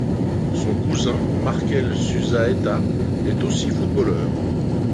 Son cousin Markel Susaeta est aussi footballeur.